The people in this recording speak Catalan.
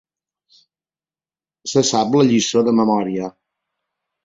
Se sap la lliçó de memòria.